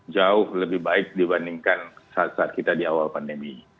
jauh lebih baik dibandingkan saat saat kita di awal pandemi